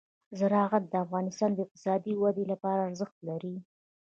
زراعت د افغانستان د اقتصادي ودې لپاره ارزښت لري.